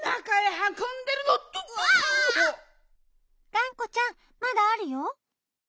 がんこちゃんまだあるよ。